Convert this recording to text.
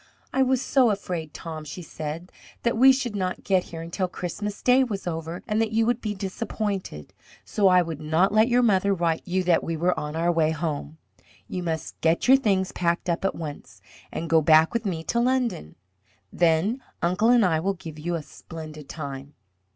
"I was so afraid, Tom," she said, "that we should not get here until Christmas Day was over and that you would be disappointed. So I would not let your mother write you that we were on our way home. You must get your things packed up at once, and go back with me to London. Then uncle and I will give you a splendid time."